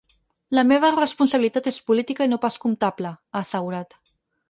La meva responsabilitat és política i no pas comptable, ha assegurat.